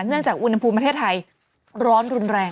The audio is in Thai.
จากอุณหภูมิประเทศไทยร้อนรุนแรง